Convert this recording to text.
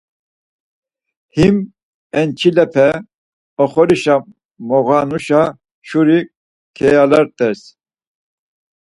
Him enç̌ilepe, oxorişa moğanuşa şuri keyalert̆ey.